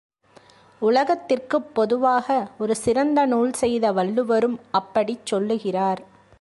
உலகத்திற்குப் பொதுவாக ஒரு சிறந்த நூல் செய்த வள்ளுவரும் அப்படிச் சொல்லுகிறார்.